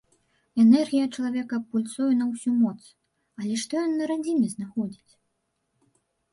Энергія чалавека пульсуе на ўсю моц, але што ён на радзіме знаходзіць?